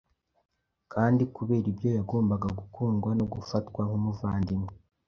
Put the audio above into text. kandi kubera ibyo yagombaga gukundwa no gufatwa nk’umuvandimwe,